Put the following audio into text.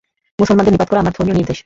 মুসলমানদের নিপাত করা আমার ধর্মীয় নির্দেশ।